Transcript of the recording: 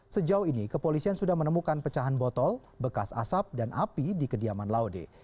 sejauh ini kepolisian sudah menemukan pecahan botol bekas asap dan api di kediaman laude